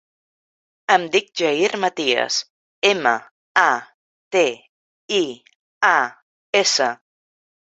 Em dic Jair Matias: ema, a, te, i, a, essa.